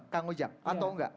kang ujang atau enggak